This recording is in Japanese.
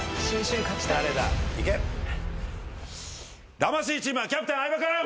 魂チームはキャプテン相葉君！